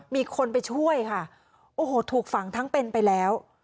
มีคนไปช่วยค่ะโอ้โหถูกฝังทั้งเป็นไปแล้ว